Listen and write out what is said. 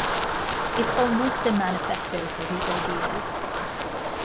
It's almost a manifesto for his ideas.